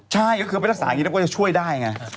ใช่ก็คือไปรักษาอย่างนี้แล้วก็จะช่วยได้ไง